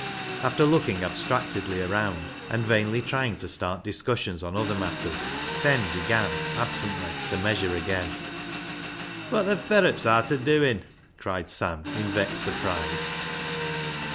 After looking ab stractedly around, and vainly trying to start THE HARMONIUM 361 discussions on other matters, Ben began absently to measure again. " Wot th' ferrups arta doin' ?" cried Sam, in vexed surprise.